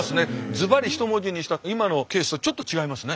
ずばり一文字にした今のケースとはちょっと違いますね。